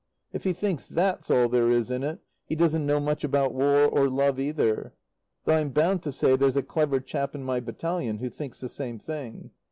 If he thinks that's all there is in it, he doesn't know much about war, or love either. Though I'm bound to say there's a clever chap in my battalion who thinks the same thing.